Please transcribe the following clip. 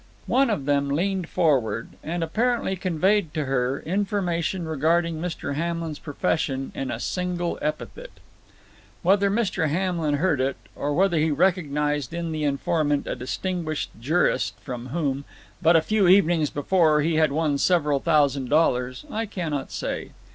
One of them leaned forward, and apparently conveyed to her information regarding Mr. Hamlin's profession in a single epithet. Whether Mr. Hamlin heard it, or whether he recognized in the informant a distinguished jurist from whom, but a few evenings before, he had won several thousand dollars, I cannot say.